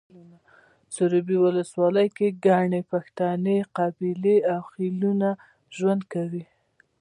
سروبي ولسوالۍ کې ګڼې پښتنې قبیلې او خيلونه ژوند کوي